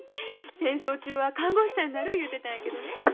戦争中は看護婦さんになる言うてたんやけどね。